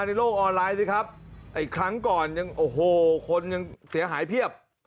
ในโลกออนไลน์สิครับไอ้ครั้งก่อนยังโอ้โหคนยังเสียหายเพียบ